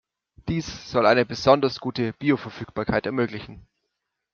Dies soll eine besonders gute Bioverfügbarkeit ermöglichen.